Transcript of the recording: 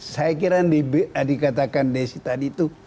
saya kira yang dikatakan desi tadi itu